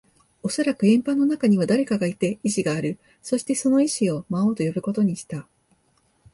おそらく円盤の中には誰かがいて、意志がある。そして、その意思を魔王と呼ぶことにした。